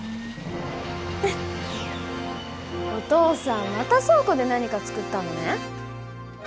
お父さんまた倉庫で何か作ったのね。